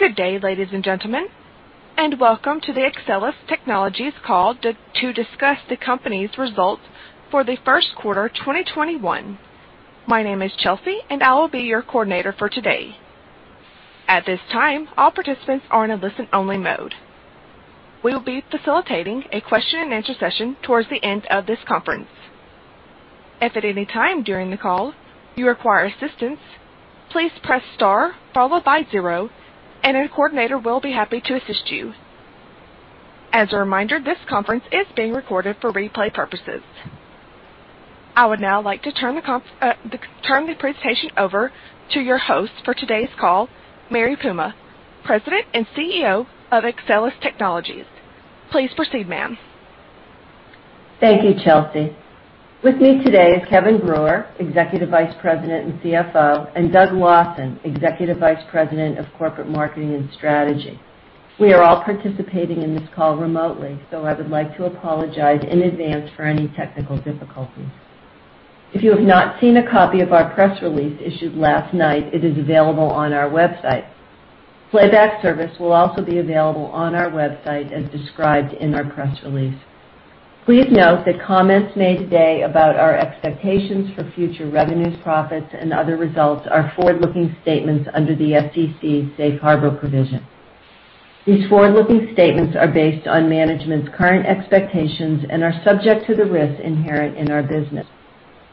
Good day, ladies and gentlemen, and welcome to the Axcelis Technologies Call to discuss the Company's Results for the First Quarter 2021. My name is Chelsea, and I will be your coordinator for today. At this time, all participants are in a listen-only mode. We will be facilitating a question-and-answer session towards the end of this conference. As a reminder, this conference is being recorded for replay purposes. I would now like to turn the presentation over to your host for today's call, Mary Puma, President and CEO of Axcelis Technologies. Please proceed, ma'am. Thank you, Chelsea. With me today is Kevin Brewer, Executive Vice President and CFO, and Doug Lawson, Executive Vice President of Corporate Marketing and Strategy. We are all participating in this call remotely, so I would like to apologize in advance for any technical difficulties. If you have not seen a copy of our press release issued last night, it is available on our website. Playback service will also be available on our website as described in our press release. Please note that comments made today about our expectations for future revenues, profits, and other results are forward-looking statements under the SEC safe harbor provision. These forward-looking statements are based on management's current expectations and are subject to the risks inherent in our business.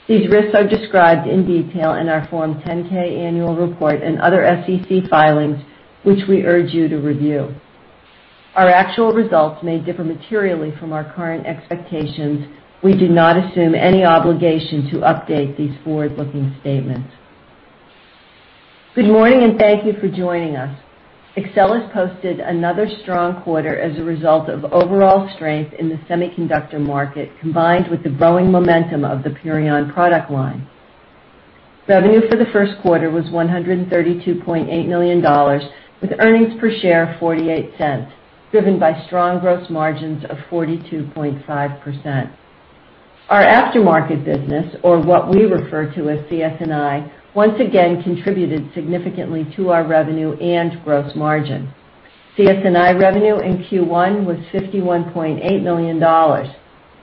These risks are described in detail in our Form 10-K annual report and other SEC filings, which we urge you to review. Our actual results may differ materially from our current expectations. We do not assume any obligation to update these forward-looking statements. Good morning, and thank you for joining us. Axcelis posted another strong quarter as a result of overall strength in the semiconductor market, combined with the growing momentum of the Purion product line. Revenue for the first quarter was $132.8 million, with earnings per share of $0.48, driven by strong gross margins of 42.5%. Our aftermarket business, or what we refer to as CS&I, once again contributed significantly to our revenue and gross margin. CS&I revenue in Q1 was $51.8 million.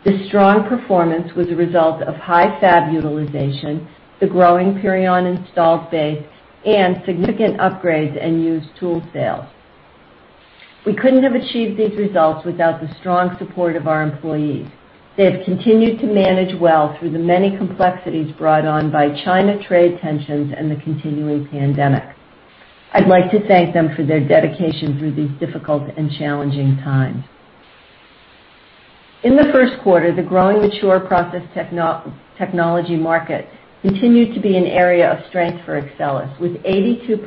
This strong performance was a result of high fab utilization, the growing Purion installed base, and significant upgrades and used tool sales. We couldn't have achieved these results without the strong support of our employees. They have continued to manage well through the many complexities brought on by China trade tensions and the continuing pandemic. I'd like to thank them for their dedication through these difficult and challenging times. In the first quarter, the growing mature process technology market continued to be an area of strength for Axcelis, with 82%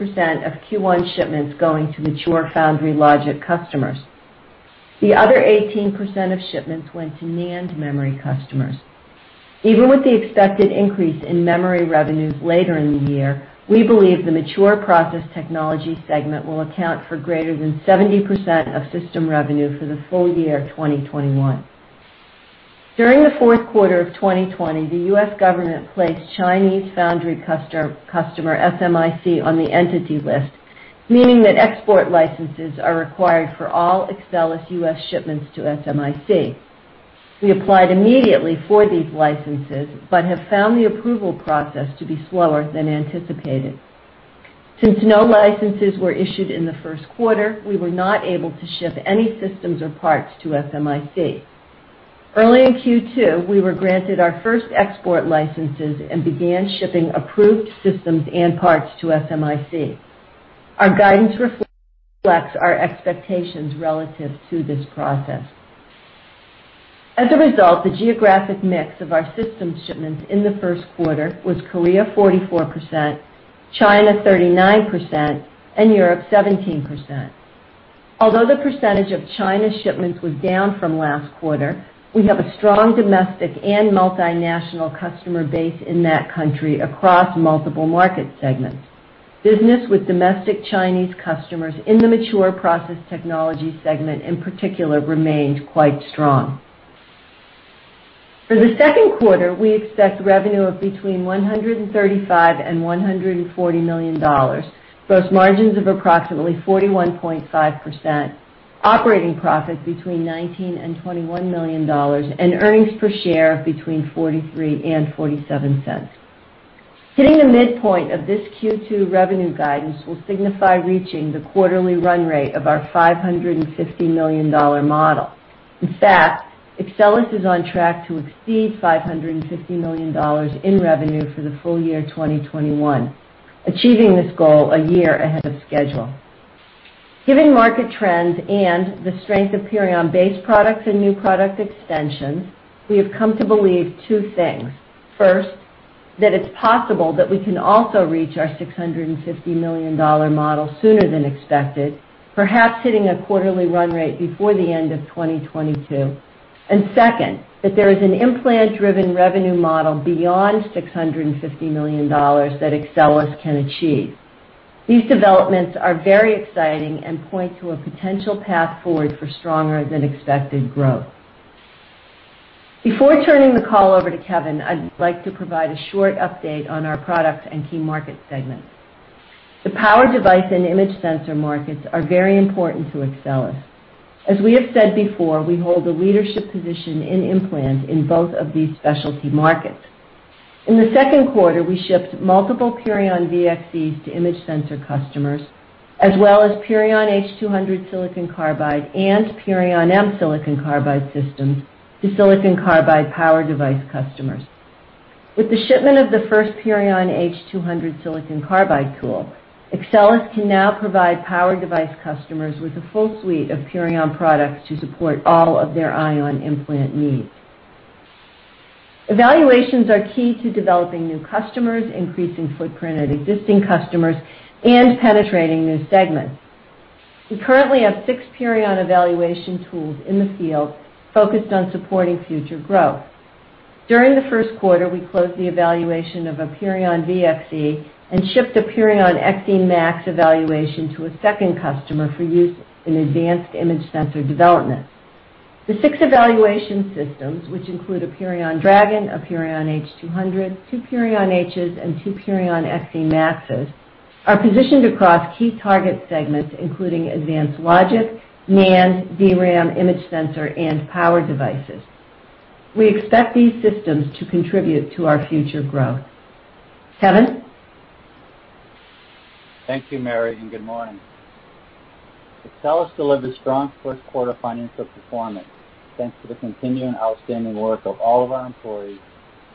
of Q1 shipments going to mature foundry logic customers. The other 18% of shipments went to NAND memory customers. Even with the expected increase in memory revenues later in the year, we believe the mature process technology segment will account for greater than 70% of system revenue for the full year 2021. During the fourth quarter of 2020, the U.S. government placed Chinese foundry customer SMIC on the Entity List, meaning that export licenses are required for all Axcelis U.S. shipments to SMIC. We applied immediately for these licenses but have found the approval process to be slower than anticipated. Since no licenses were issued in the first quarter, we were not able to ship any systems or parts to SMIC. Early in Q2, we were granted our first export licenses and began shipping approved systems and parts to SMIC. Our guidance reflects our expectations relative to this process. As a result, the geographic mix of our system shipments in the first quarter was Korea 44%, China 39%, and Europe 17%. Although the percentage of China shipments was down from last quarter, we have a strong domestic and multinational customer base in that country across multiple market segments. Business with domestic Chinese customers in the mature process technology segment, in particular, remained quite strong. For the second quarter, we expect revenue of between $135 million and $140 million, gross margins of approximately 41.5%, operating profits between $19 million and $21 million, and earnings per share of between $0.43 and $0.47. Hitting the midpoint of this Q2 revenue guidance will signify reaching the quarterly run rate of our $550 million model. Axcelis is on track to exceed $550 million in revenue for the full year 2021, achieving this goal a year ahead of schedule. Given market trends and the strength of Purion base products and new product extensions, we have come to believe two things. First, that it's possible that we can also reach our $650 million model sooner than expected, perhaps hitting a quarterly run rate before the end of 2022. Second, that there is an implant-driven revenue model beyond $650 million that Axcelis can achieve. These developments are very exciting and point to a potential path forward for stronger than expected growth. Before turning the call over to Kevin, I'd like to provide a short update on our products and key market segments. The power device and image sensor markets are very important to Axcelis. As we have said before, we hold a leadership position in implant in both of these specialty markets. In the second quarter, we shipped multiple Purion VXE to image sensor customers, as well as Purion H200 SiC and Purion M SiC systems to silicon carbide power device customers. With the shipment of the first Purion H200 SiC tool, Axcelis can now provide power device customers with a full suite of Purion products to support all of their ion implant needs. Evaluations are key to developing new customers, increasing footprint at existing customers, and penetrating new segments. We currently have six Purion evaluation tools in the field focused on supporting future growth. During the first quarter, we closed the evaluation of a Purion VXE and shipped a Purion XEmax evaluation to a second customer for use in advanced image sensor development. The six evaluation systems, which include a Purion Dragon, a Purion H200, two Purion Hs, and two Purion XEmaxes, are positioned across key target segments, including advanced logic, NAND, DRAM, image sensor, and power devices. We expect these systems to contribute to our future growth. Kevin? Thank you, Mary, and good morning. Axcelis delivered strong first quarter financial performance, thanks to the continuing outstanding work of all of our employees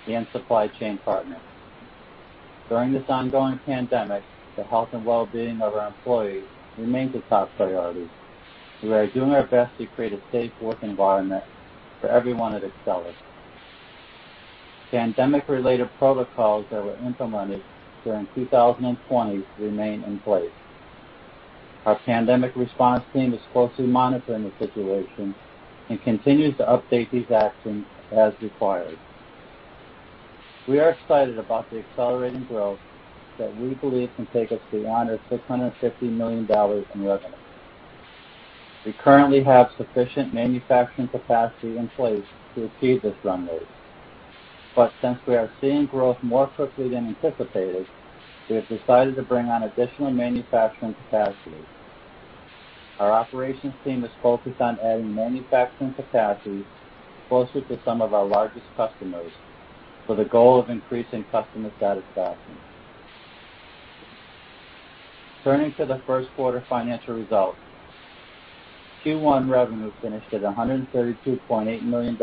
and supply chain partners. During this ongoing pandemic, the health and well-being of our employees remains a top priority. We are doing our best to create a safe work environment for everyone at Axcelis. Pandemic-related protocols that were implemented during 2020 remain in place. Our pandemic response team is closely monitoring the situation and continues to update these actions as required. We are excited about the accelerating growth that we believe can take us to beyond $650 million in revenue. We currently have sufficient manufacturing capacity in place to achieve this runway. Since we are seeing growth more quickly than anticipated, we have decided to bring on additional manufacturing capacity. Our operations team is focused on adding manufacturing capacity closer to some of our largest customers, with a goal of increasing customer satisfaction. Turning to the first quarter financial results. Q1 revenue finished at $132.8 million,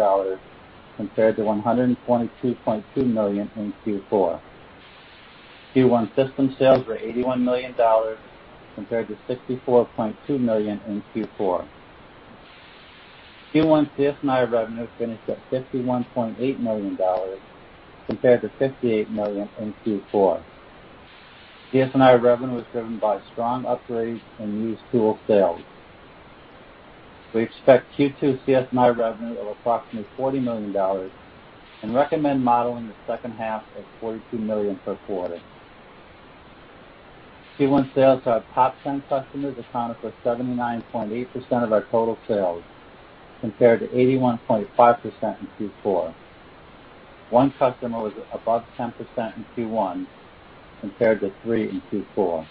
compared to $122.2 million in Q4. Q1 system sales were $81 million, compared to $64.2 million in Q4. Q1 CS&I revenue finished at $51.8 million, compared to $58 million in Q4. CS&I revenue was driven by strong upgrades in used tool sales. We expect Q2 CS&I revenue of approximately $40 million and recommend modeling the second half at $42 million per quarter. Q1 sales to our top 10 customers accounted for 79.8% of our total sales, compared to 81.5% in Q4. One customer was above 10% in Q1, compared to three in Q4.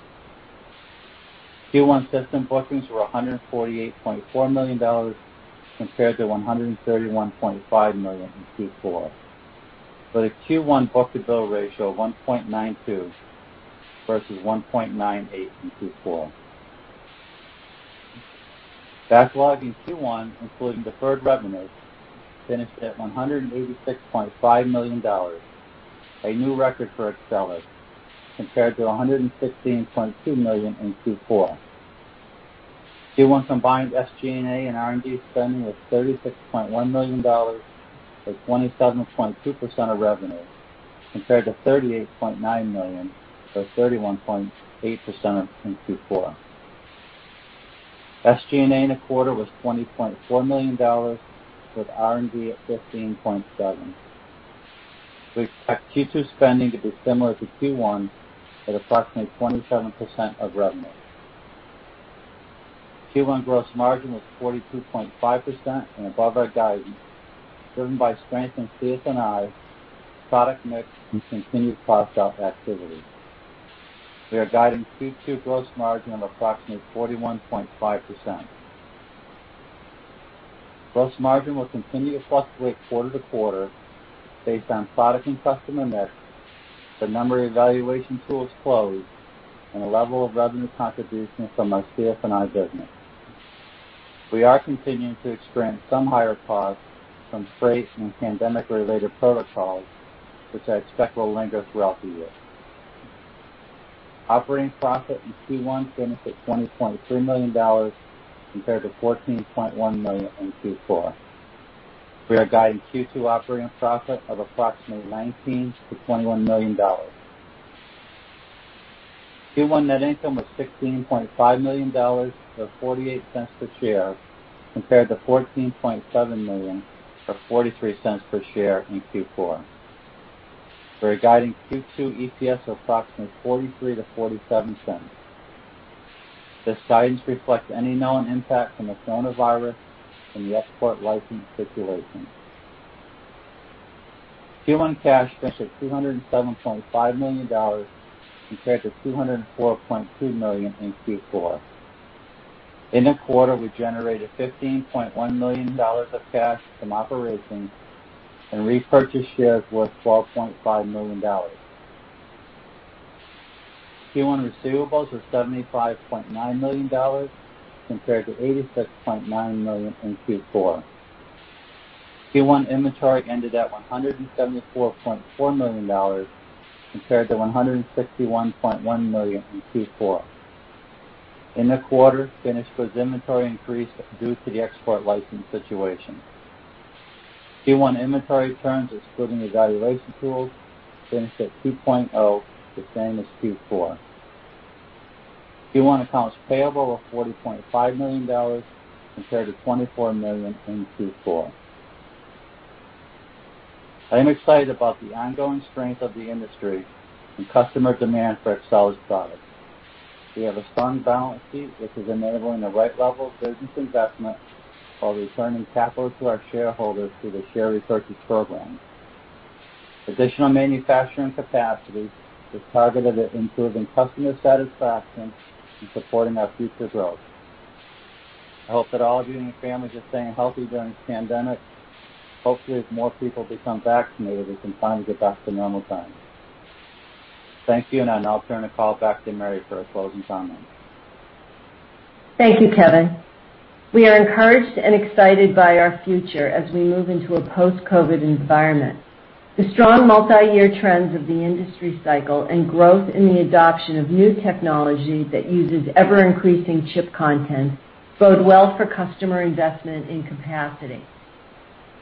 Q1 system bookings were $148.4 million, compared to $131.5 million in Q4, with a Q1 book-to-bill ratio of 1.92 versus 1.98 in Q4. Backlog in Q1, including deferred revenues, finished at $186.5 million, a new record for Axcelis, compared to $116.2 million in Q4. Q1 combined SG&A and R&D spending was $36.1 million, or 27.2% of revenue, compared to $38.9 million, or 31.8%, in Q4. SG&A in the quarter was $20.4 million, with R&D at $15.7. We expect Q2 spending to be similar to Q1 at approximately 27% of revenue. Q1 gross margin was 42.5% and above our guidance, driven by strength in CS&I, product mix, and continued cost out activity. We are guiding Q2 gross margin of approximately 41.5%. Gross margin will continue to fluctuate quarter to quarter based on product and customer mix, the number of evaluation tools closed, and the level of revenue contribution from our CS&I business. We are continuing to experience some higher costs from freight and pandemic-related protocols, which I expect will linger throughout the year. Operating profit in Q1 finished at $20.3 million, compared to $14.1 million in Q4. We are guiding Q2 operating profit of approximately $19 million-$21 million. Q1 net income was $16.5 million, or $0.48 per share, compared to $14.7 million, or $0.43 per share, in Q4. We are guiding Q2 EPS of approximately $0.43-$0.47. This guidance reflects any known impact from the coronavirus and the export license situation. Q1 cash finished at $207.5 million, compared to $204.2 million in Q4. In the quarter, we generated $15.1 million of cash from operations and repurchased shares worth $12.5 million. Q1 receivables were $75.9 million, compared to $86.9 million in Q4. Q1 inventory ended at $174.4 million, compared to $161.1 million in Q4. In the quarter, finished goods inventory increased due to the export license situation. Q1 inventory turns, excluding evaluation tools, finished at 2.0, the same as Q4. Q1 accounts payable were $40.5 million, compared to $24 million in Q4. I am excited about the ongoing strength of the industry and customer demand for Axcelis products. We have a strong balance sheet, which is enabling the right level of business investment while returning capital to our shareholders through the share repurchase program. Additional manufacturing capacity is targeted at improving customer satisfaction and supporting our future growth. I hope that all of you and your families are staying healthy during this pandemic. Hopefully, as more people become vaccinated, we can finally get back to normal times. Thank you. I'll now turn the call back to Mary for her closing comments. Thank you, Kevin. We are encouraged and excited by our future as we move into a post-COVID environment. The strong multi-year trends of the industry cycle and growth in the adoption of new technology that uses ever-increasing chip content bode well for customer investment in capacity.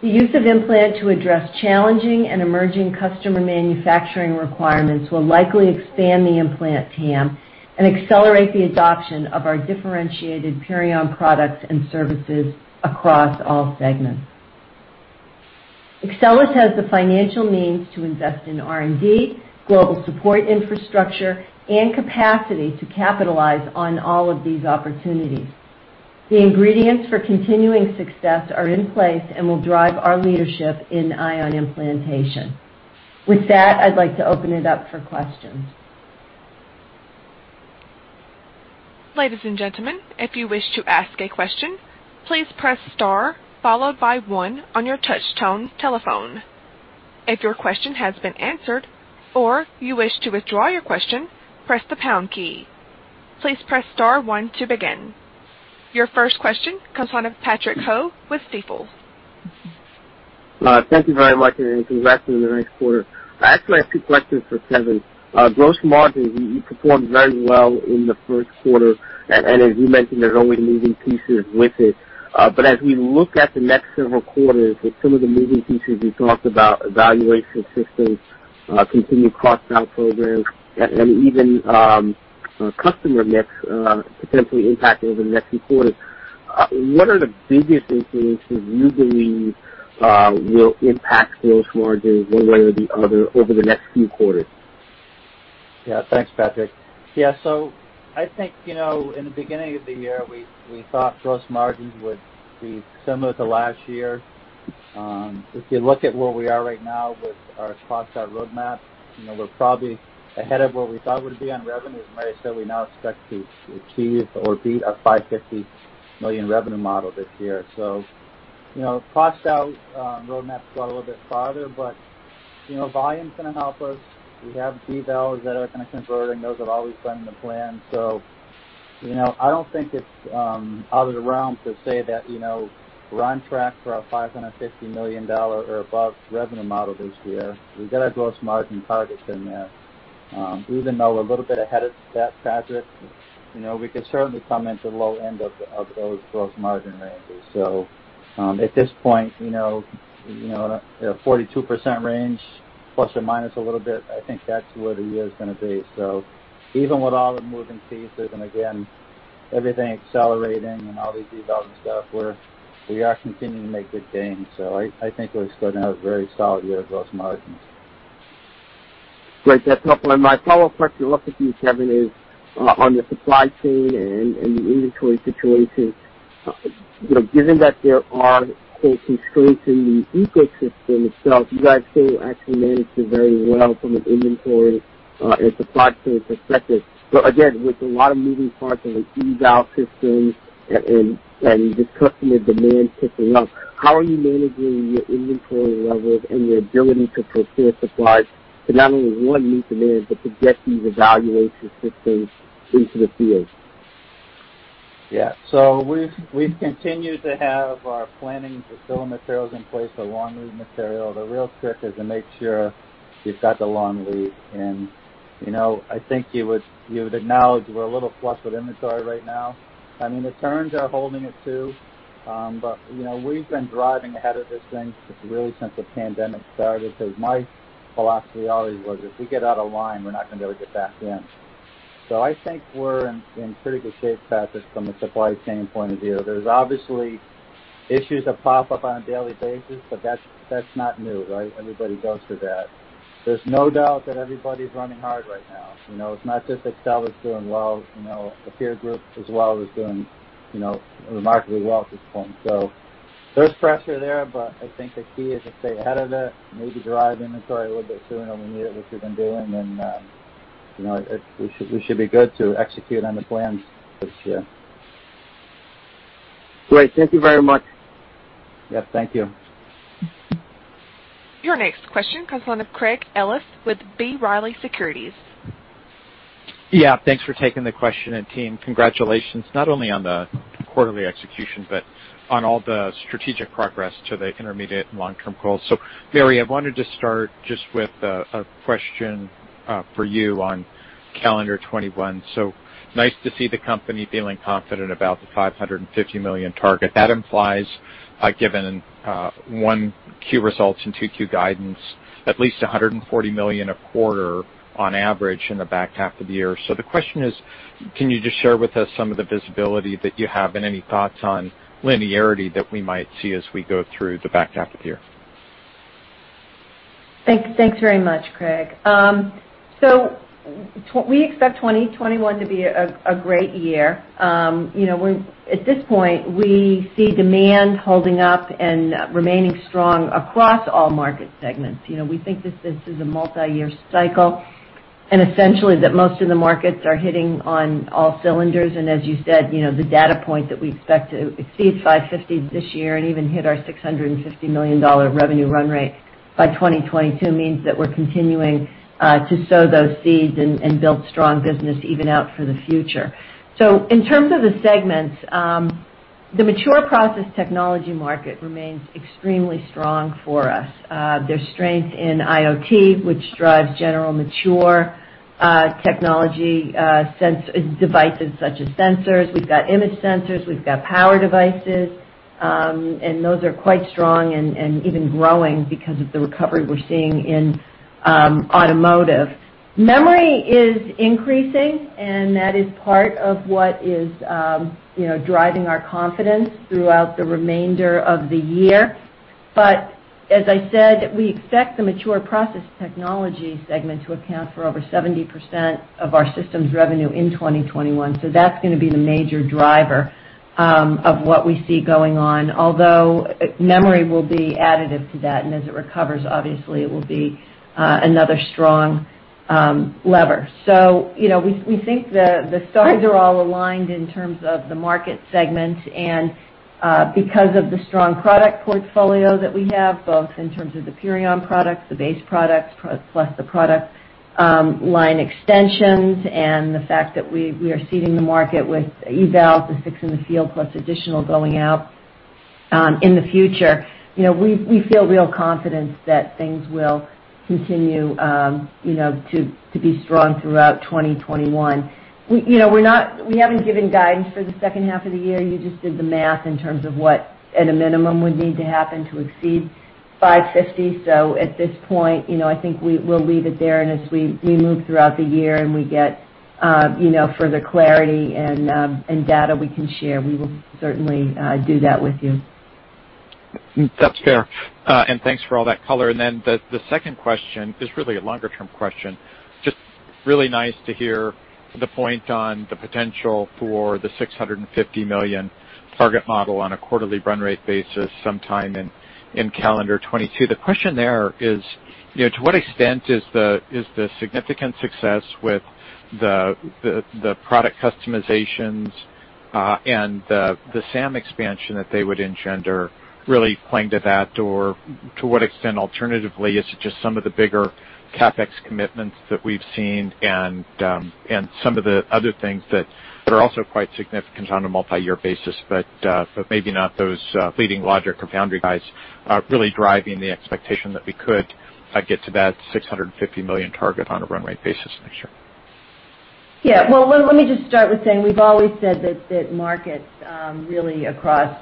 The use of implant to address challenging and emerging customer manufacturing requirements will likely expand the implant TAM and accelerate the adoption of our differentiated Purion products and services across all segments. Axcelis has the financial means to invest in R&D, global support infrastructure, and capacity to capitalize on all of these opportunities. The ingredients for continuing success are in place and will drive our leadership in ion implantation. With that, I'd like to open it up for questions. Your first question comes on from Patrick Ho with Stifel. Thank you very much. Congrats on the nice quarter. I actually have two questions for Kevin. Gross margins, you performed very well in the first quarter, and as you mentioned, there's always moving pieces with it. As we look at the next several quarters with some of the moving pieces you talked about, evaluation systems, continued cost-down programs, and even customer mix potentially impacting over the next few quarters. What are the biggest influences you believe will impact gross margins one way or the other over the next few quarters? Thanks, Patrick. I think, in the beginning of the year, we thought gross margins would be similar to last year. If you look at where we are right now with our cost-down roadmap, we're probably ahead of where we thought we'd be on revenue. As Mary said, we now expect to achieve or beat our $550 million revenue model this year. Cost-down roadmap has got a little bit farther, but volume's going to help us. We have evals that are going to convert, and those have always been in the plan. I don't think it's out of the realm to say that we're on track for our $550 million or above revenue model this year. We've got our gross margin targets in there. Even though we're a little bit ahead of that, Patrick, we could certainly come into low end of those gross margin ranges. At this point, ±42% range, a little bit, I think that's what the year's going to be. Even with all the moving pieces, and again, everything accelerating and all these eval and stuff, we are continuing to make good gains. I think we're still going to have very solid year gross margins. Great. That's helpful. My follow-up question, lucky for you, Kevin, is on the supply chain and the inventory situation. Given that there are constraints in the ecosystem itself, you guys seem to actually manage it very well from an inventory and supply chain perspective. Again, with a lot of moving parts and the eval systems and just customer demand ticking up, how are you managing your inventory levels and your ability to procure supplies to not only one, meet demand, but to get these evaluation systems into the field? Yeah. We've continued to have our planning for bill of materials in place, our long lead material. The real trick is to make sure you've got the long lead in. I think you would acknowledge we're a little flush with inventory right now. I mean, the turns are holding it, too. We've been driving ahead of this thing, really since the pandemic started, because my philosophy always was, if we get out of line, we're not going to be able to get back in. I think we're in pretty good shape, Patrick, from a supply chain point of view. There's obviously issues that pop up on a daily basis, but that's not new, right? Everybody goes through that. There's no doubt that everybody's running hard right now. It's not just Axcelis is doing well. The peer group as well is doing remarkably well at this point. There's pressure there, but I think the key is to stay ahead of it, maybe drive inventory a little bit sooner than we need it, which we've been doing. We should be good to execute on the plans this year. Great. Thank you very much. Yes, thank you. Your next question comes on with Craig Ellis with B. Riley Securities. Yeah, thanks for taking the question, and team, congratulations, not only on the quarterly execution, but on all the strategic progress to the intermediate and long-term goals. Mary, I wanted to start just with a question for you on calendar 2021. Nice to see the company feeling confident about the $550 million target. That implies, given 1Q results and 2Q guidance, at least $140 million a quarter on average in the back half of the year. The question is, can you just share with us some of the visibility that you have and any thoughts on linearity that we might see as we go through the back half of the year? Thanks very much, Craig. We expect 2021 to be a great year. At this point, we see demand holding up and remaining strong across all market segments. We think this is a multi-year cycle, and essentially that most of the markets are hitting on all cylinders, and as you said, the data point that we expect to exceed $550 million this year and even hit our $650 million revenue run rate by 2022 means that we're continuing to sow those seeds and build strong business even out for the future. In terms of the segments, the mature process technology market remains extremely strong for us. There's strength in IoT, which drives general mature technology devices such as sensors. We've got image sensors, we've got power devices, and those are quite strong and even growing because of the recovery we're seeing in automotive. Memory is increasing, and that is part of what is driving our confidence throughout the remainder of the year. As I said, we expect the mature process technology segment to account for over 70% of our systems revenue in 2021, so that's going to be the major driver of what we see going on. Memory will be additive to that, and as it recovers, obviously, it will be another strong lever. We think the signs are all aligned in terms of the market segment, and because of the strong product portfolio that we have, both in terms of the Purion products, the base products, plus the product line extensions, and the fact that we are seeding the market with eval, the 6 in the field, plus additional going out in the future. We feel real confidence that things will continue to be strong throughout 2021. We haven't given guidance for the second half of the year. You just did the math in terms of what at a minimum would need to happen to exceed $550 million. At this point, I think we'll leave it there, and as we move throughout the year and we get further clarity and data we can share, we will certainly do that with you. That's fair. Thanks for all that color. The second question is really a longer-term question. Just really nice to hear the point on the potential for the $650 million target model on a quarterly run rate basis sometime in calendar 2022. The question there is, to what extent is the significant success with the product customizations and the SAM expansion that they would engender really playing to that? To what extent, alternatively, is it just some of the bigger CapEx commitments that we've seen and some of the other things that are also quite significant on a multi-year basis, but maybe not those leading logic or foundry guys are really driving the expectation that we could get to that $650 million target on a run rate basis next year? Well, let me just start with saying we've always said that markets really across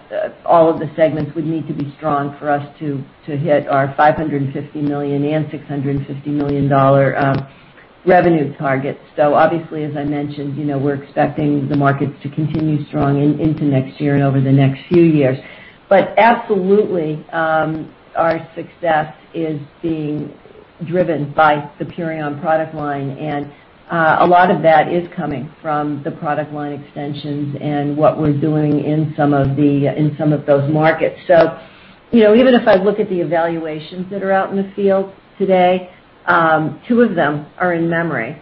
all of the segments would need to be strong for us to hit our $550 million and $650 million revenue targets. Obviously, as I mentioned, we're expecting the markets to continue strong into next year and over the next few years. Absolutely, our success is being driven by the Purion product line, and a lot of that is coming from the product line extensions and what we're doing in some of those markets. Even if I look at the evaluations that are out in the field today, two of them are in memory.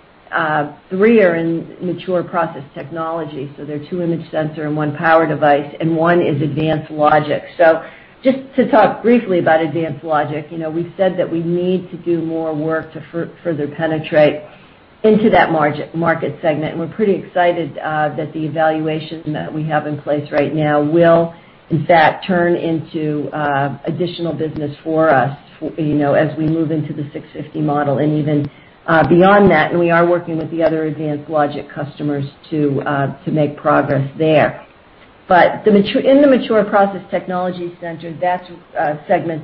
Three are in mature process technology, so they're two image sensor and one power device, and one is advanced logic. Just to talk briefly about advanced logic, we've said that we need to do more work to further penetrate into that market segment, and we're pretty excited that the evaluation that we have in place right now will in fact turn into additional business for us as we move into the $650 million model and even beyond that, and we are working with the other advanced logic customers to make progress there. In the mature process technology segment,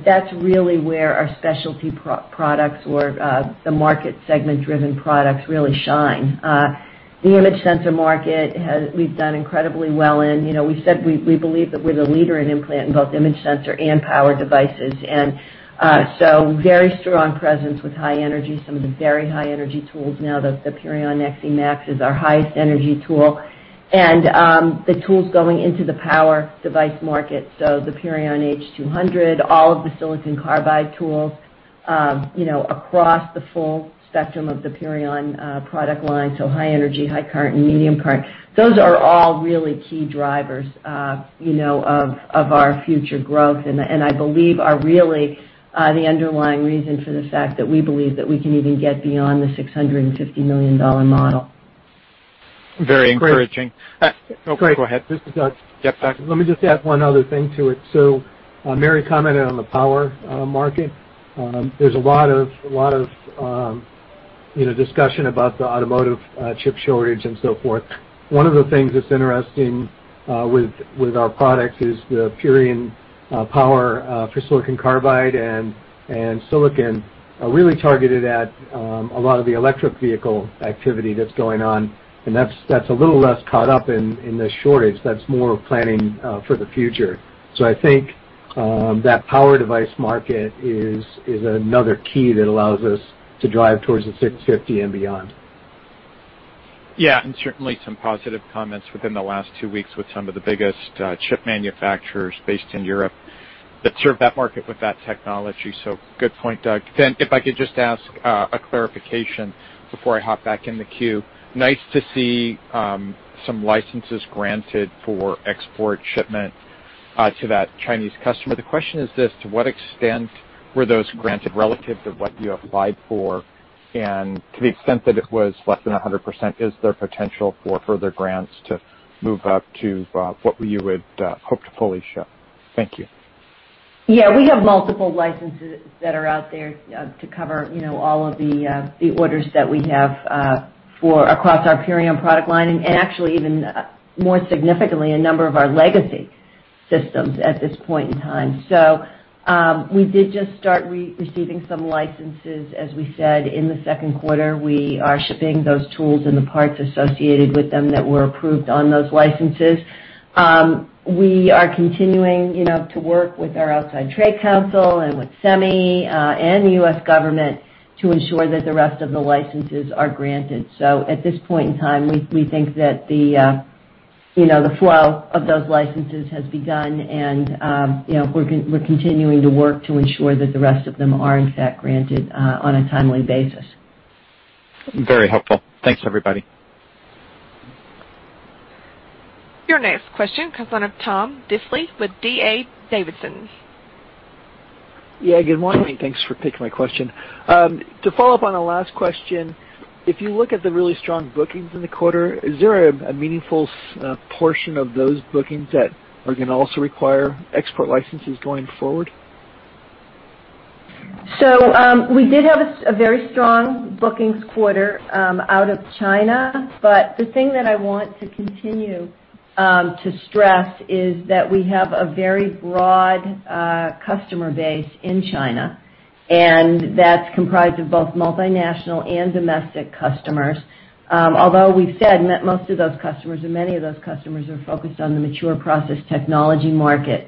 that's really where our specialty products or the market segment-driven products really shine. The image sensor market we've done incredibly well in. We said we believe that we're the leader in implant in both image sensor and power devices, and so very strong presence with high energy, some of the very high energy tools now, the Purion XEmax is our highest energy tool. The tools going into the power device market, the Purion H200, all of the silicon carbide tools, across the full spectrum of the Purion product line, high energy, high current, and medium current. Those are all really key drivers of our future growth, I believe are really the underlying reason for the fact that we believe that we can even get beyond the $650 million model. Very encouraging. Great. This is Doug. Let me just add one other thing to it. Mary commented on the power market. There's a lot of discussion about the automotive chip shortage and so forth. One of the things that's interesting with our product is the Purion Power for silicon carbide and silicon are really targeted at a lot of the electric vehicle activity that's going on, and that's a little less caught up in the shortage, that's more of planning for the future. I think that power device market is another key that allows us to drive towards the $650 million and beyond. Certainly some positive comments within the last two weeks with some of the biggest chip manufacturers based in Europe that serve that market with that technology. Good point, Doug. If I could just ask a clarification before I hop back in the queue. Nice to see some licenses granted for export shipment to that Chinese customer. The question is this, to what extent were those granted relative to what you applied for? To the extent that it was less than 100%, is there potential for further grants to move up to what you would hope to fully ship? Thank you. Yeah, we have multiple licenses that are out there to cover all of the orders that we have across our Purion product line, and actually even more significantly, a number of our legacy systems at this point in time. We did just start receiving some licenses, as we said, in the second quarter. We are shipping those tools and the parts associated with them that were approved on those licenses. We are continuing to work with our outside trade counsel and with SEMI, and the U.S. government to ensure that the rest of the licenses are granted. At this point in time, we think that the flow of those licenses has begun and we're continuing to work to ensure that the rest of them are in fact granted on a timely basis. Very helpful. Thanks, everybody. Your next question comes from Tom Diffely with D.A. Davidson. Yeah, good morning. Thanks for taking my question. To follow up on the last question, if you look at the really strong bookings in the quarter, is there a meaningful portion of those bookings that are going to also require export licenses going forward? We did have a very strong bookings quarter out of China, but the thing that I want to continue to stress is that we have a very broad customer base in China, and that's comprised of both multinational and domestic customers. Although we've said most of those customers or many of those customers are focused on the mature process technology market.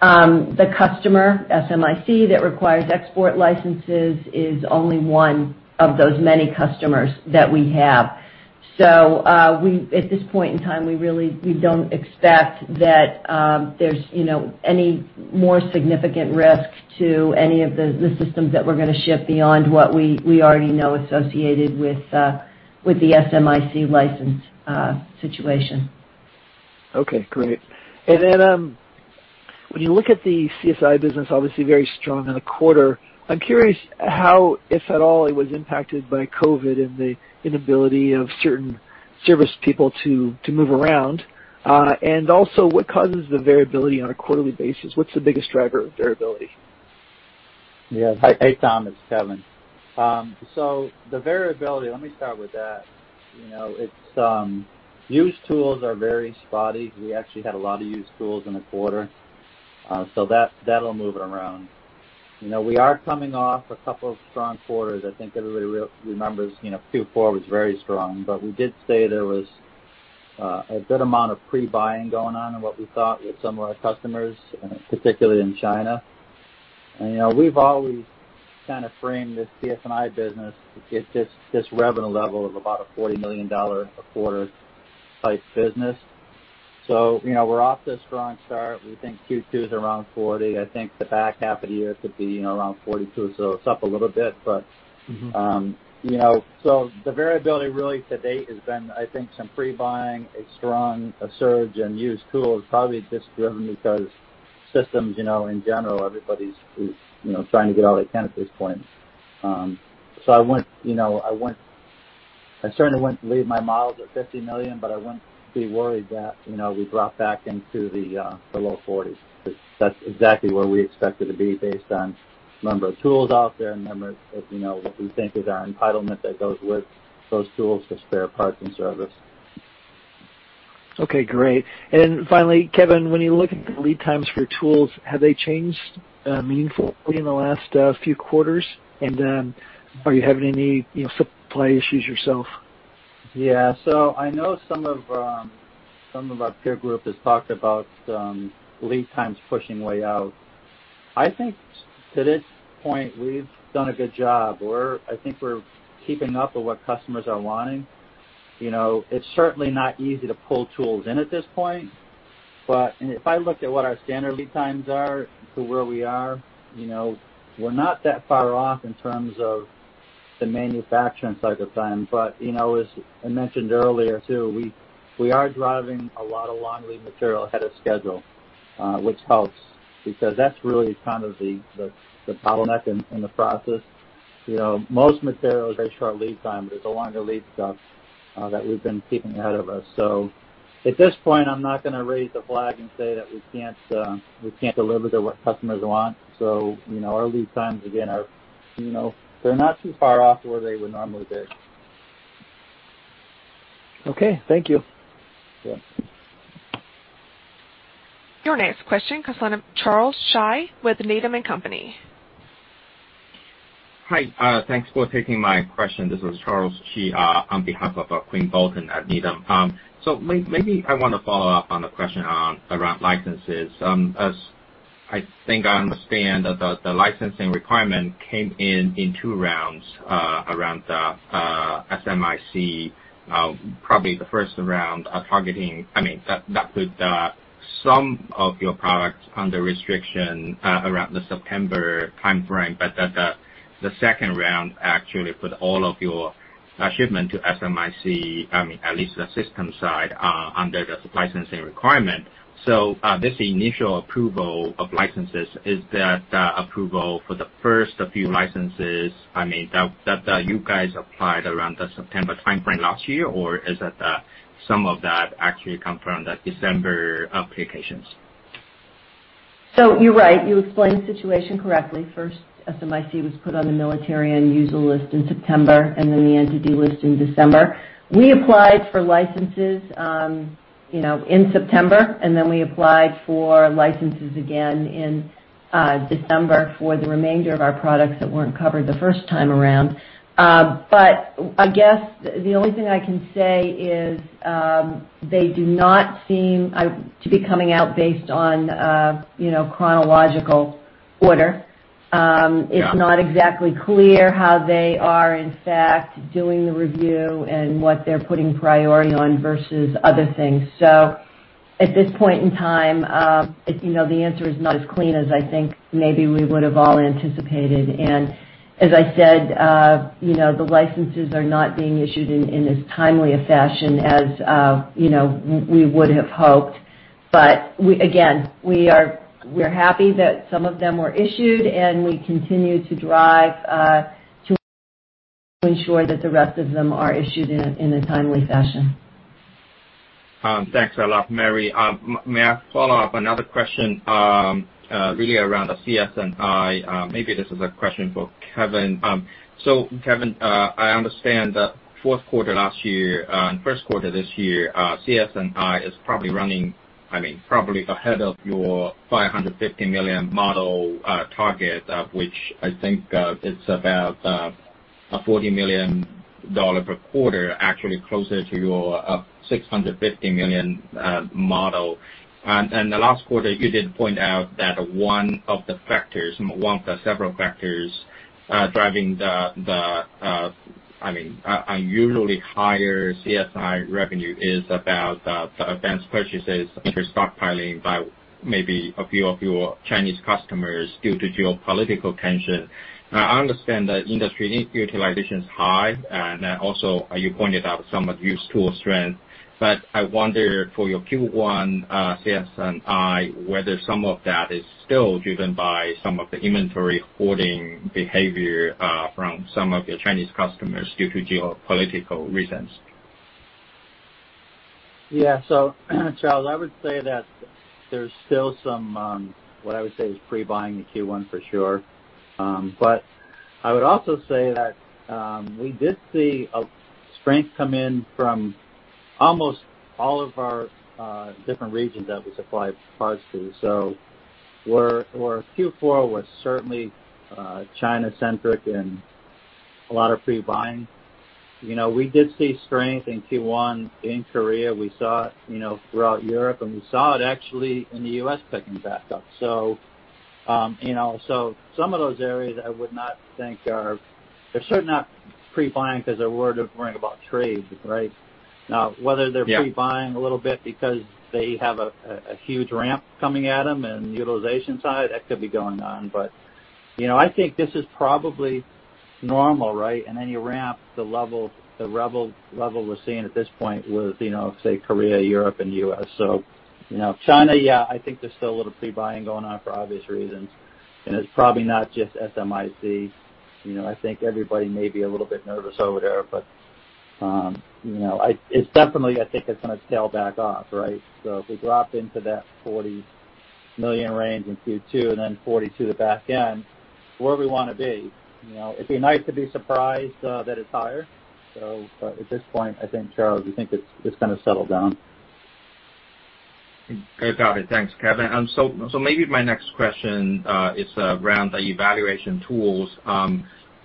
The customer, SMIC, that requires export licenses is only one of those many customers that we have. At this point in time, we don't expect that there's any more significant risk to any of the systems that we're going to ship beyond what we already know associated with the SMIC license situation. Okay, great. When you look at the CS&I business, obviously very strong in a quarter, I'm curious how, if at all, it was impacted by COVID and the inability of certain service people to move around. What causes the variability on a quarterly basis? What's the biggest driver of variability? Hey, Tom, it's Kevin. The variability, let me start with that. Used tools are very spotty. We actually had a lot of used tools in the quarter, that'll move it around. We are coming off a couple of strong quarters. I think everybody remembers Q4 was very strong, we did say there was a good amount of pre-buying going on in what we thought with some of our customers, particularly in China. We've always kind of framed this CS&I business at this revenue level of about a $40 million a quarter type business. We're off to a strong start. We think Q2's around $40 million. I think the back half of the year could be around $42 million, it's up a little bit. The variability really to date has been, I think, some pre-buying, a strong surge in used tools, probably just driven because systems in general, everybody's trying to get all they can at this point. I certainly wouldn't leave my models at $50 million, but I wouldn't be worried that we drop back into the low $40s, because that's exactly where we expect it to be based on the number of tools out there and the number of what we think is our entitlement that goes with those tools for spare parts and service. Okay, great. Finally, Kevin, when you look at the lead times for tools, have they changed meaningfully in the last few quarters? Are you having any supply issues yourself? Yeah. I know some of our peer group has talked about lead times pushing way out. I think to this point, we've done a good job. I think we're keeping up with what customers are wanting. It's certainly not easy to pull tools in at this point, but if I looked at what our standard lead times are to where we are, we're not that far off in terms of the manufacturing cycle time. As I mentioned earlier too, we are driving a lot of long lead material ahead of schedule, which helps because that's really kind of the bottleneck in the process. Most materials, they short lead time, but it's the longer lead stuff that we've been keeping ahead of us. At this point, I'm not going to raise the flag and say that we can't deliver to what customers want. Our lead times, again, they're not too far off to where they would normally be. Okay, thank you. Your next question comes from Charles Shi with Needham & Company. Hi. Thanks for taking my question. This is Charles Shi on behalf of Quinn Bolton at Needham. Maybe I want to follow up on a question around licenses. As I think I understand, the licensing requirement came in in two rounds around the SMIC. Probably the first round are targeting-- I mean, that put some of your products under restriction around the September timeframe, but the second round actually put all of your shipment to SMIC, I mean, at least the system side, under the licensing requirement. This initial approval of licenses, is that the approval for the first few licenses, I mean, that you guys applied around the September timeframe last year, or is it that some of that actually come from the December applications? You're right. You explained the situation correctly. First, SMIC was put on the Military End User List in September, and then the Entity List in December. We applied for licenses in September, and then we applied for licenses again in December for the remainder of our products that weren't covered the first time around. I guess the only thing I can say is they do not seem to be coming out based on chronological order. It's not exactly clear how they are, in fact, doing the review and what they're putting priority on versus other things. At this point in time, the answer is not as clean as I think maybe we would have all anticipated. As I said, the licenses are not being issued in as timely a fashion as we would have hoped. Again, we're happy that some of them were issued, and we continue to drive to ensure that the rest of them are issued in a timely fashion. Thanks a lot, Mary. May I follow up another question really around the CS&I? Maybe this is a question for Kevin. Kevin, I understand that fourth quarter last year and first quarter this year, CS&I is probably running, I mean, probably ahead of your $550 million model target, of which I think it's about a $40 million per quarter, actually closer to your $650 million model. The last quarter, you did point out that one of the several factors driving the unusually higher CS&I revenue is about the advanced purchases, which are stockpiling by maybe a few of your Chinese customers due to geopolitical tension. I understand the industry utilization is high, and also you pointed out some of your tool strength. I wonder for your Q1 CS&I, whether some of that is still driven by some of the inventory hoarding behavior from some of your Chinese customers due to geopolitical reasons? Yeah. Charles, I would say that there's still some, what I would say is pre-buying in Q1 for sure. I would also say that we did see a strength come in from almost all of our different regions that we supply parts to. Where Q4 was certainly China-centric and a lot of pre-buying, we did see strength in Q1 in Korea. We saw it throughout Europe, and we saw it actually in the U.S. picking back up. Some of those areas I would not think they're certainly not pre-buying because they're worried about trade, right? Whether they are pre-buying a little bit because they have a huge ramp coming at them and utilization side, that could be going on. I think this is probably normal, right? Any ramp, the level we're seeing at this point with say Korea, Europe, and U.S. China, yeah, I think there's still a little pre-buying going on for obvious reasons, and it's probably not just SMIC. I think everybody may be a little bit nervous over there, but it's definitely, I think it's going to tail back off, right? If we drop into that 40 Million range in Q2, and then 42 the back end, where we want to be. It'd be nice to be surprised that it's higher. But at this point, I think, Charles, we think it's going to settle down. I got it. Thanks, Kevin. maybe my next question is around the evaluation tools.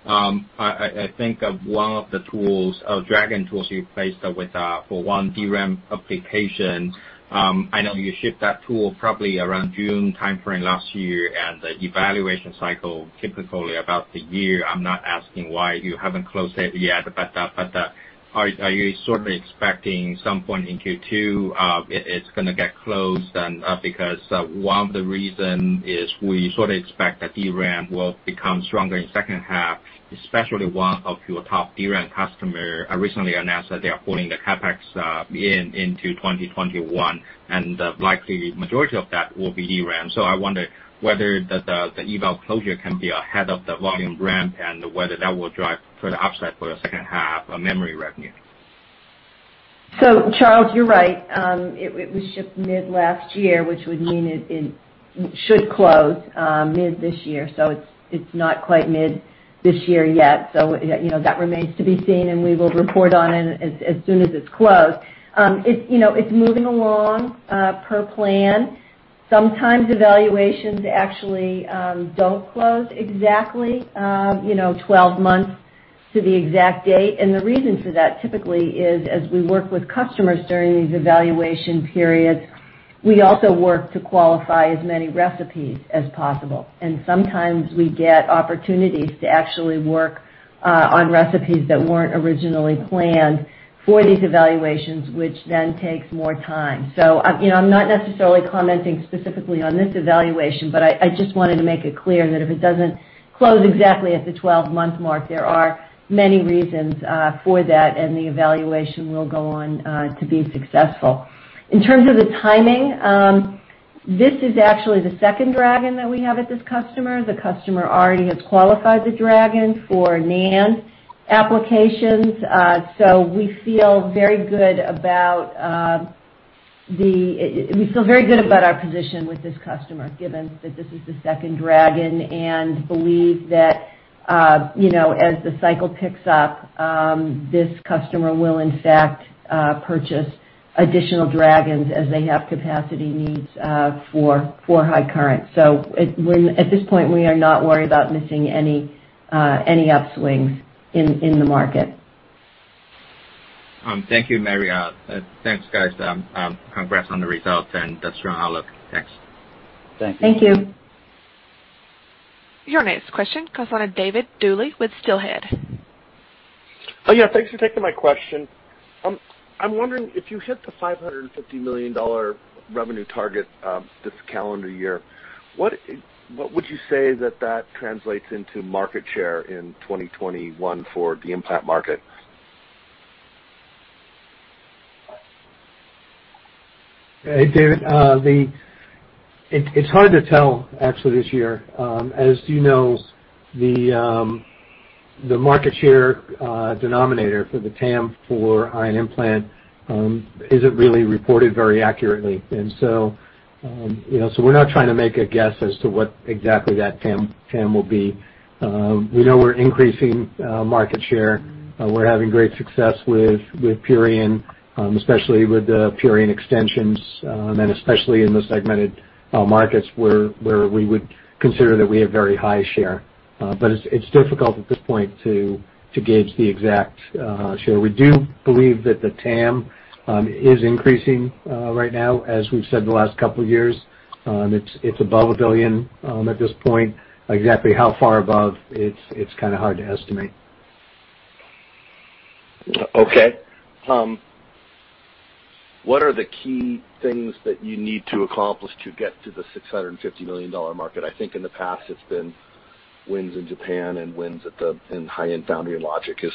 I think of one of the tools, Purion Dragon tools, you placed with, for 1 DRAM application. I know you shipped that tool probably around June timeframe last year, the evaluation cycle typically about 1 year. I'm not asking why you haven't closed it yet. Are you sort of expecting some point in Q2, it's going to get closed? because, one of the reason is we sort of expect that DRAM will become stronger in second half, especially one of your top DRAM customer recently announced that they are pulling the CapEx into 2021, and likely majority of that will be DRAM. I wonder whether the eval closure can be ahead of the volume ramp, and whether that will drive further upside for the second half of memory revenue. Charles, you're right. It was shipped mid last year, which would mean it should close mid this year. It's not quite mid this year yet, that remains to be seen, and we will report on it as soon as it's closed. It's moving along, per plan. Sometimes evaluations actually don't close exactly 12 months to the exact date. The reason for that, typically, is as we work with customers during these evaluation periods, we also work to qualify as many recipes as possible. Sometimes we get opportunities to actually work on recipes that weren't originally planned for these evaluations, which then takes more time. I'm not necessarily commenting specifically on this evaluation, but I just wanted to make it clear that if it doesn't close exactly at the 12-month mark, there are many reasons for that, and the evaluation will go on to be successful. In terms of the timing, this is actually the second Dragon that we have at this customer. The customer already has qualified the Dragon for NAND applications. We feel very good about our position with this customer, given that this is the second Dragon, and believe that as the cycle picks up, this customer will in fact purchase additional Dragons as they have capacity needs for high current. At this point, we are not worried about missing any upswings in the market. Thank you, Mary. Thanks, guys. Congrats on the results and the strong outlook. Thanks. Thank you. Your next question comes on David Duley with Steelhead. Yeah, thanks for taking my question. I'm wondering, if you hit the $550 million revenue target this calendar year, what would you say that that translates into market share in 2021 for the implant market? Hey, David. It's hard to tell actually this year. As you know, the market share denominator for the TAM for ion implant isn't really reported very accurately. We're not trying to make a guess as to what exactly that TAM will be. We know we're increasing market share. We're having great success with Purion, especially with the Purion extensions, and especially in the segmented markets where we would consider that we have very high share. It's difficult at this point to gauge the exact share. We do believe that the TAM is increasing right now, as we've said the last couple of years. It's above $1 billion at this point. Exactly how far above, it's kind of hard to estimate. Okay. What are the key things that you need to accomplish to get to the $650 million market? I think in the past it's been wins in Japan and wins in high-end foundry logic. Is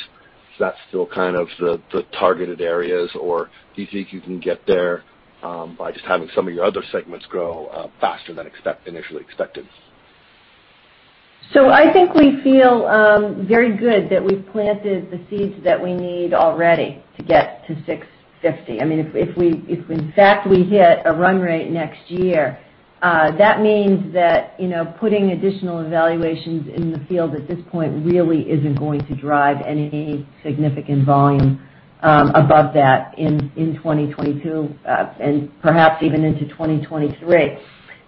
that still kind of the targeted areas, or do you think you can get there by just having some of your other segments grow faster than initially expected? I think we feel very good that we've planted the seeds that we need already to get to $650 million. If in fact we hit a run rate next year, that means that putting additional evaluations in the field at this point really isn't going to drive any significant volume above that in 2022, and perhaps even into 2023.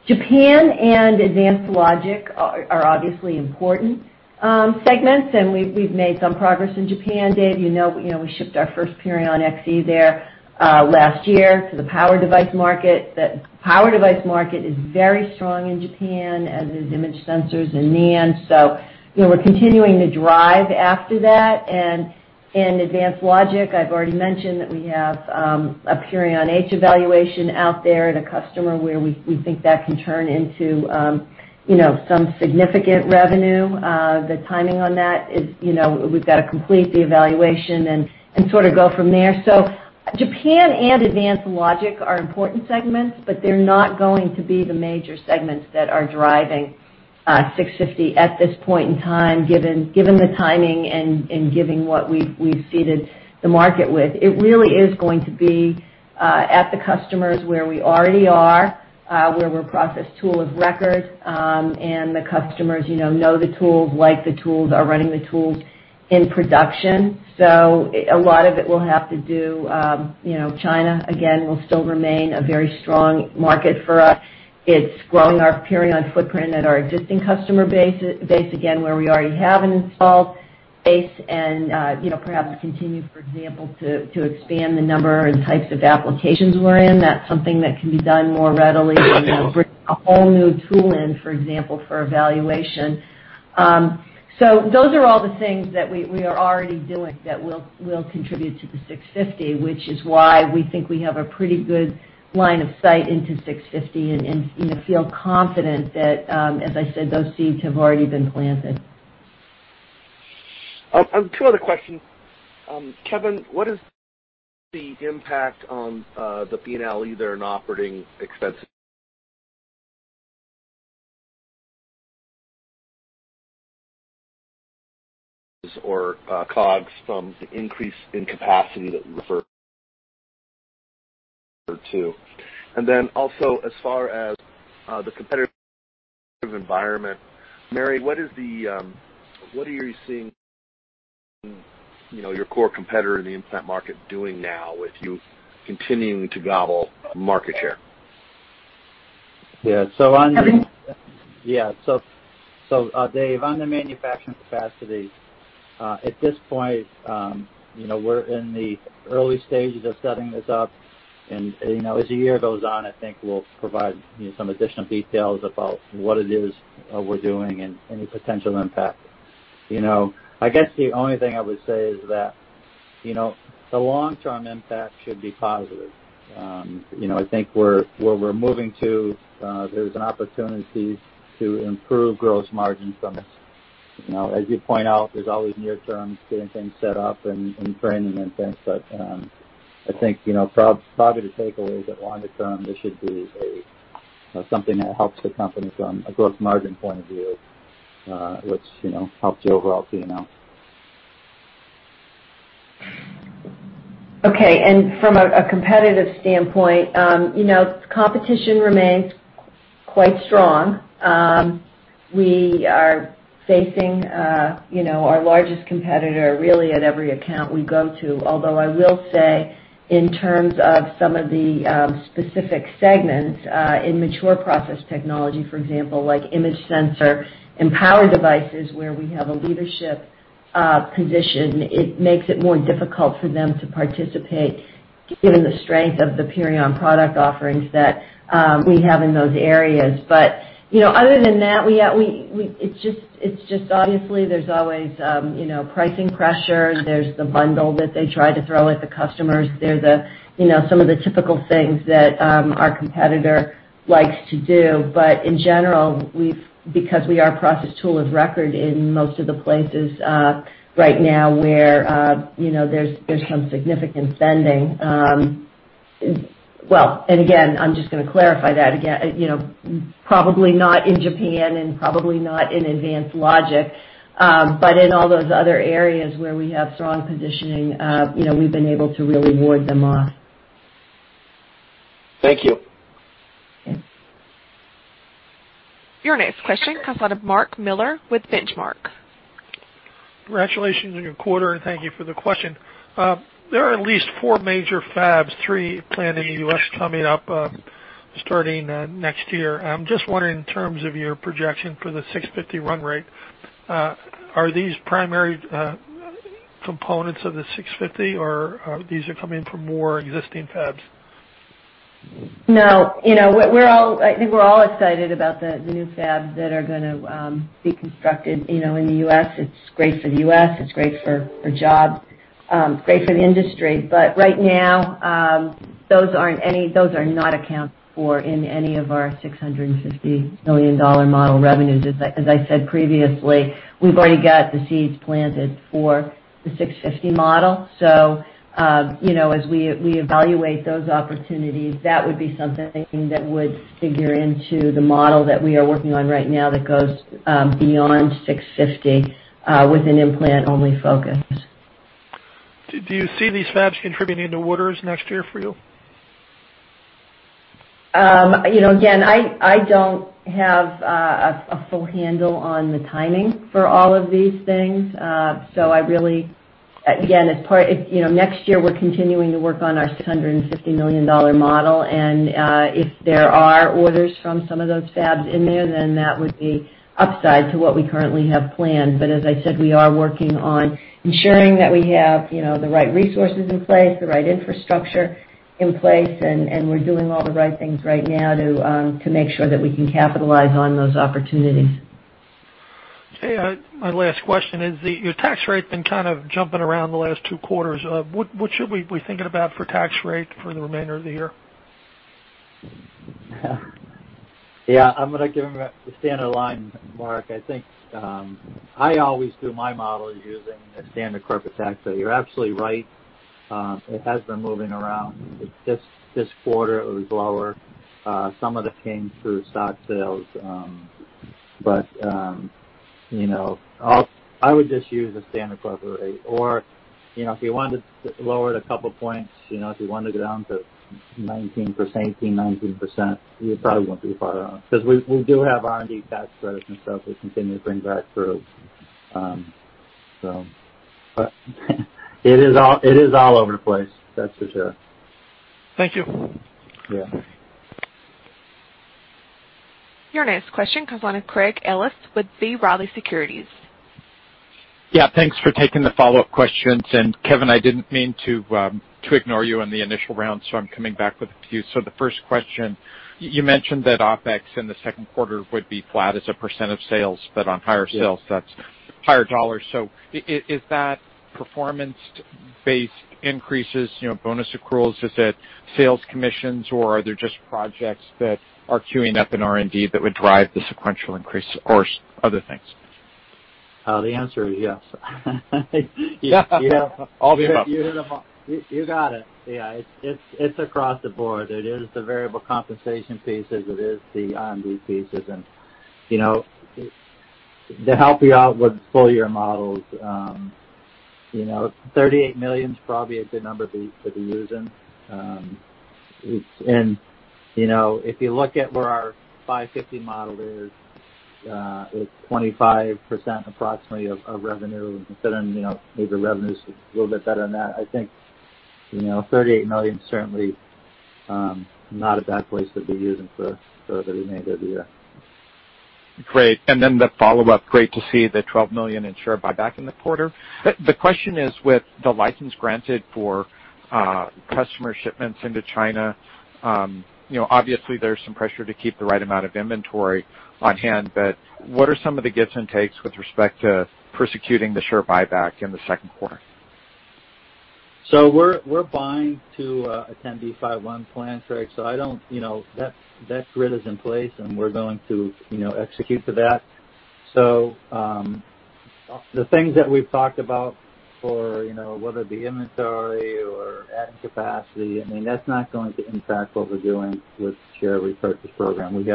Japan and advanced logic are obviously important segments, and we've made some progress in Japan, David. We shipped our first Purion XE there last year to the power device market. The power device market is very strong in Japan, as is image sensors and NAND. We're continuing to drive after that. Advanced logic, I've already mentioned that we have a Purion H evaluation out there at a customer where we think that can turn into some significant revenue. The timing on that is, we've got to complete the evaluation and sort of go from there. Japan and advanced logic are important segments, but they're not going to be the major segments that are driving at this point in time, given the timing and given what we've seeded the market with. It really is going to be at the customers where we already are, where we're process tool of record, and the customers know the tools, like the tools, are running the tools in production. A lot of it will have to do. China, again, will still remain a very strong market for us. It's growing our Purion footprint at our existing customer base, again, where we already have an installed base and perhaps continue, for example, to expand the number and types of applications we're in. That's something that can be done more readily than bringing a whole new tool in, for example, for evaluation. Those are all the things that we are already doing that will contribute to the $650 million, which is why we think we have a pretty good line of sight into $650 million and feel confident that, as I said, those seeds have already been planted. Two other questions. Kevin, what is the impact on the P&L, either in operating expenses or COGS from the increase in capacity that you refer to? Then also as far as the competitive environment, Mary, what are you seeing your core competitor in the implant market doing now with you continuing to gobble market share? Yeah. Dave, on the manufacturing capacity, at this point, we're in the early stages of setting this up, and as the year goes on, I think we'll provide you some additional details about what it is we're doing and any potential impact. I guess the only thing I would say is that the long-term impact should be positive. I think where we're moving to, there's an opportunity to improve gross margin from it. As you point out, there's always near term, getting things set up and training and things, but I think probably the takeaway is that longer term, this should be something that helps the company from a gross margin point of view, which helps the overall P&L. Okay, from a competitive standpoint, competition remains quite strong. We are facing our largest competitor really at every account we go to. I will say in terms of some of the specific segments in mature process technology, for example, like image sensor and power devices where we have a leadership position, it makes it more difficult for them to participate given the strength of the Purion product offerings that we have in those areas. Other than that, obviously there's always pricing pressure. There's the bundle that they try to throw at the customers. There's some of the typical things that our competitor likes to do. In general, because we are process tool of record in most of the places right now where there's some significant spending. Well, again, I'm just going to clarify that again, probably not in Japan and probably not in advanced logic, but in all those other areas where we have strong positioning, we've been able to really ward them off. Thank you. Your next question comes out of Mark Miller with Benchmark. Congratulations on your quarter. Thank you for the question. There are at least four major fabs, three planned in the U.S. coming up starting next year. I'm just wondering in terms of your projection for the $650 million run rate, are these primary components of the $650 million, or are these coming from more existing fabs? I think we're all excited about the new fabs that are going to be constructed in the U.S. It's great for the U.S., it's great for jobs, great for the industry. Right now, those are not accounted for in any of our $650 million model revenues. As I said previously, we've already got the seeds planted for the $650 million model. As we evaluate those opportunities, that would be something that would figure into the model that we are working on right now that goes beyond $650 million with an implant-only focus. Do you see these fabs contributing to orders next year for you? I don't have a full handle on the timing for all of these things. Next year, we're continuing to work on our $650 million model, if there are orders from some of those fabs in there, that would be upside to what we currently have planned. As I said, we are working on ensuring that we have the right resources in place, the right infrastructure in place, we're doing all the right things right now to make sure that we can capitalize on those opportunities. Okay. My last question is, your tax rate been kind of jumping around the last two quarters. What should we be thinking about for tax rate for the remainder of the year? Yeah. I'm going to give him the standard line, Mark. I always do my modeling using the standard corporate tax. You're absolutely right. It has been moving around. This quarter, it was lower. Some of it came through stock sales. I would just use a standard corporate rate, or if you wanted to lower it a couple points, if you wanted to go down to 18%-19%, you probably wouldn't be far off. We do have R&D tax credits and stuff we continue to bring back through. It is all over the place. That's for sure. Thank you. Your next question comes from Craig Ellis with B. Riley Securities. Yeah. Thanks for taking the follow-up questions. Kevin, I didn't mean to ignore you on the initial round, so I'm coming back with a few. The first question, you mentioned that OpEx in the second quarter would be flat as a percent of sales, but on higher sales, that's higher dollars. Is that performance-based increases, bonus accruals? Is it sales commissions, or are there just projects that are queuing up in R&D that would drive the sequential increase, or other things? The answer is yes. Yeah. All of the above. You got it. Yeah. It's across the board. It is the variable compensation pieces, it is the R&D pieces. To help you out with full year models, $38 million is probably a good number to be using. If you look at where our $550 million model is, it's 25% approximately of revenue. Considering maybe revenue's a little bit better than that, I think $38 million is certainly not a bad place to be using for the remainder of the year. Great. The follow-up, great to see the $12 million in share buyback in the quarter. The question is, with the license granted for customer shipments into China, obviously there's some pressure to keep the right amount of inventory on hand, but what are some of the gives and takes with respect to prosecuting the share buyback in the second quarter? We're buying to a 10b5-1 plan, Craig. That grid is in place, and we're going to execute to that. The things that we've talked about for, whether it be inventory or adding capacity, that's not going to impact what we're doing with the share repurchase program. We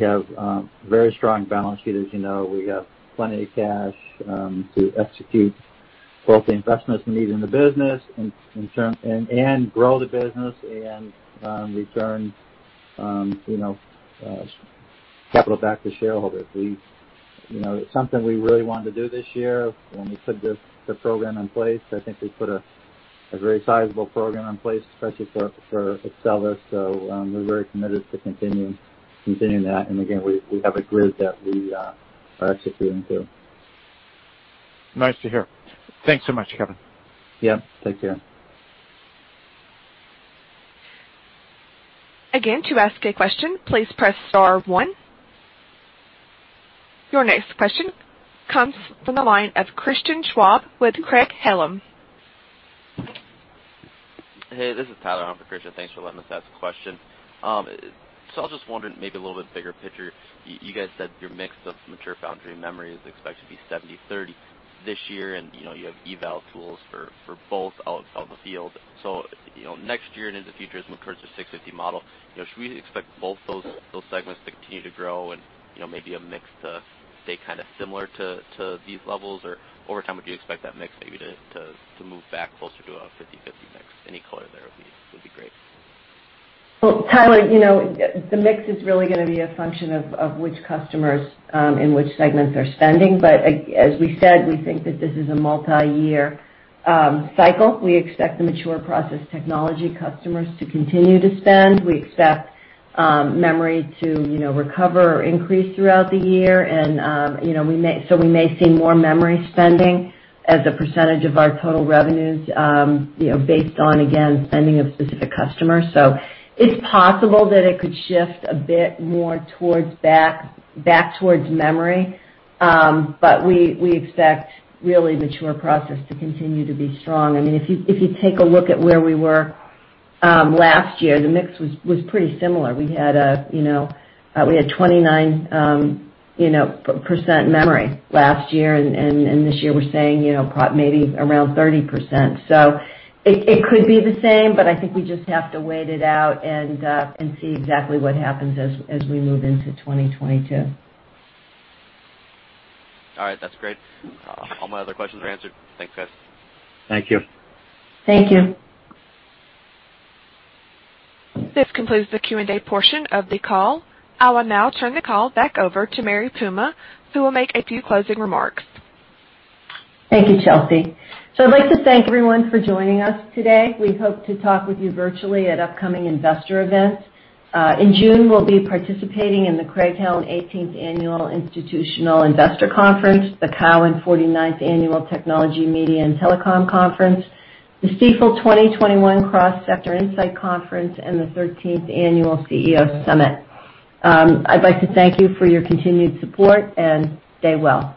have a very strong balance sheet, as you know. We have plenty of cash to execute both the investments we need in the business, and grow the business and return capital back to shareholders. It's something we really wanted to do this year. When we put the program in place, I think we put a very sizable program in place, especially for Axcelis. We're very committed to continuing that. Again, we have a grid that we are executing to. Nice to hear. Thanks so much, Kevin. Yeah. Take care. To ask a question, please press star one. Your next question comes from the line of Christian Schwab with Craig-Hallum. Hey, this is Tyler. I'm for Christian. Thanks for letting us ask a question. I was just wondering, maybe a little bit bigger picture, you guys said your mix of mature foundry memory is expected to be 70/30 this year, and you have eval tools for both out in the field. Next year and into the future, as we move towards the $650 million model, should we expect both those segments to continue to grow and maybe a mix to stay kind of similar to these levels? Over time, would you expect that mix maybe to move back closer to a 50/50 mix? Any color there would be great. Tyler, the mix is really going to be a function of which customers in which segments are spending. As we said, we think that this is a multi-year cycle. We expect the mature process technology customers to continue to spend. We expect memory to recover or increase throughout the year, we may see more memory spending as a percentage of our total revenues, based on, again, spending of specific customers. It's possible that it could shift a bit more back towards memory. We expect really the mature process to continue to be strong. If you take a look at where we were last year, the mix was pretty similar. We had 29% memory last year, and this year we're saying maybe around 30%. It could be the same, but I think we just have to wait it out and see exactly what happens as we move into 2022. All right. That's great. All my other questions are answered. Thanks, guys. Thank you. Thank you. This concludes the Q&A portion of the call. I will now turn the call back over to Mary Puma, who will make a few closing remarks. Thank you, Chelsea. I'd like to thank everyone for joining us today. We hope to talk with you virtually at upcoming investor events. In June, we'll be participating in the Craig-Hallum 18th Annual Institutional Investor Conference, the Cowen 49th Annual Technology, Media & Telecom Conference, the Stifel 2021 Cross Sector Insight Conference and the 13th Annual CEO Summit. I'd like to thank you for your continued support, and stay well.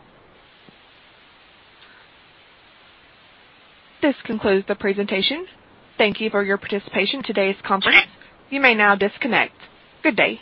This concludes the presentation. Thank you for your participation in today's conference. You may now disconnect. Good day.